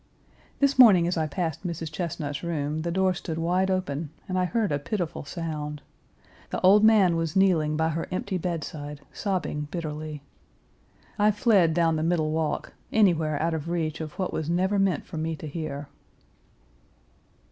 This morning as I passed Mrs. Chesnut's room, the door stood wide open, and I heard a pitiful sound. The old man was kneeling by her empty bedside sobbing bitterly. I fled down the middle walk, anywhere out of reach of what was never meant for me to hear.